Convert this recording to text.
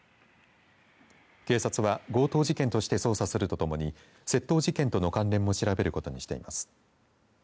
警察は強盗事件として捜査するとともに窃盗事件との関連も調べることにしています。